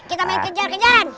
kita main kejar kejaran